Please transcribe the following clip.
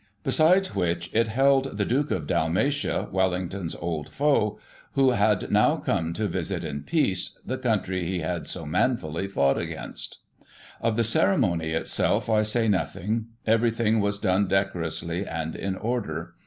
Besides which, it held the Duke of Dalmatia, Wellington's old foe, who had now come to visit, in peace, the country he had so manfully fought against Of the ceremony itself, I say nothing — everything was done decorously and in order.